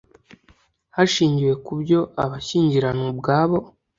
hashingiwe ku byo abashyingiranwa ubwabo